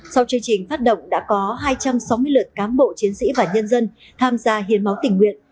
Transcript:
sau chương trình phát động đã có hai trăm sáu mươi lượt cám bộ chiến sĩ và nhân dân tham gia hiến máu tình nguyện